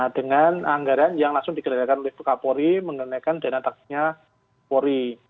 dengan anggaran yang langsung digeledahkan oleh kapolri mengenaikan dana taksinya polri